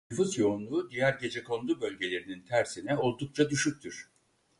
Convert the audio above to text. Nüfus yoğunluğu diğer gecekondu bölgelerinin tersine oldukça düşüktür.